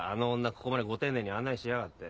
ここまでご丁寧に案内しやがって。